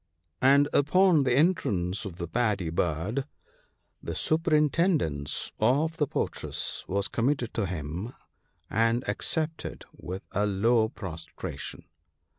And upon the entrance of the Paddy bird, the superintendence of the fortress was committed to him, and accepted with a low prostration.